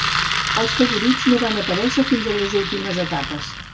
Els favorits no van aparèixer fins a les últimes etapes.